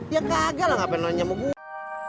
ya kagak lah ngapain nanya mau gua